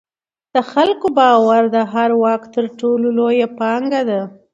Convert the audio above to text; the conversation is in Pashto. د خلکو باور د هر واک تر ټولو لویه پانګه ده